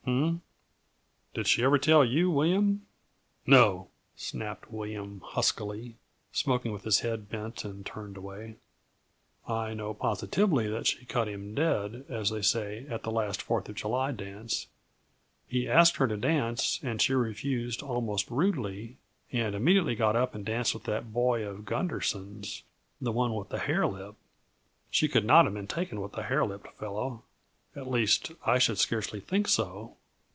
H m m! Did she ever tell you, William?" "No," snapped William huskily, smoking with his head bent and turned away. "I know positively that she cut him dead, as they say, at the last Fourth of July dance. He asked her to dance, and she refused almost rudely and immediately got up and danced with that boy of Gunderson's the one with the hair lip. She could not have been taken with the hair lipped fellow at least, I should scarcely think so.